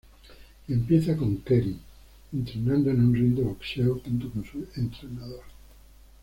Empieza con "Keri" entrenando en un ring de boxeo, junto con su entrenador.